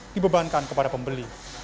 dibebankan kepada pembeli